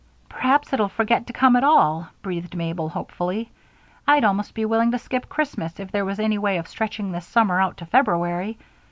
"Perhaps it'll forget to come at all," breathed Mabel, hopefully. "I'd almost be willing to skip Christmas if there was any way of stretching this summer out to February.